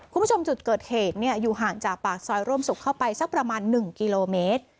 คุณผู้ชมจุดเกิดเหตุอยู่ห่างจากปากซอยร่วมสุขเข้าไปสักประมาณ๑กิโลเมตร